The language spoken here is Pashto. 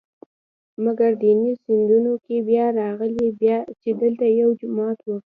مګر دیني سندونو کې بیا راغلي چې دلته یو جومات و.